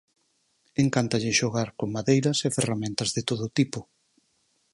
Encántalle xogar con madeiras e ferramentas de todo tipo.